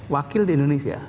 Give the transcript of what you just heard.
wakil di indonesia